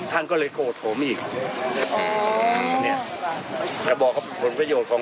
มันดังนั้นก็เกิดโด่งตัวผมยิ่ง